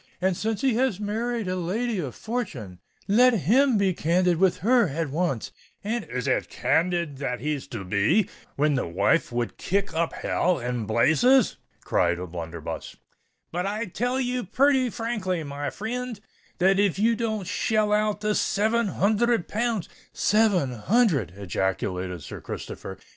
And since he has married a lady of fortune, let him be candid with her at once; and——" "Is it candid that he's to be, when the wife would kick up hell and blazes?" cried O'Blunderbuss. "But I tell you purty frankly, my frind, that if ye don't shell out the seven hunthred pounds——" "Seven hundred!" ejaculated Sir Christopher.